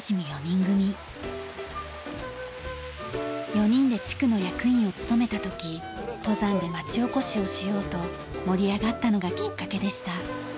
４人で地区の役員を務めた時登山で町おこしをしようと盛り上がったのがきっかけでした。